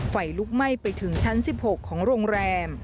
ไฟลุกไหม้ไปถึงชั้น๑๖ของโรงแรม